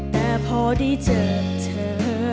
แต่พอได้เจอเธอ